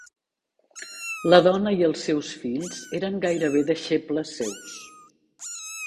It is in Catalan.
La dona i els seus fills eren gairebé deixebles seus.